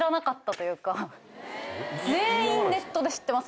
全員ネットで知ってます